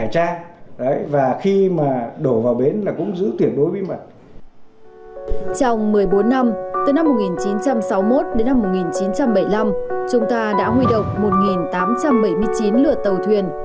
trong một mươi bốn năm từ năm một nghìn chín trăm sáu mươi một đến năm một nghìn chín trăm bảy mươi năm chúng ta đã huy động một tám trăm bảy mươi chín lượt tàu thuyền